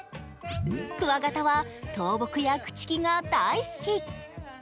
クワガタは倒木や朽ち木が大好き。